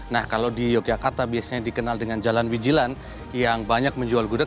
nah kalau di yogyakarta biasanya dikenal dengan jalan wijilan yang banyak menjual gudeg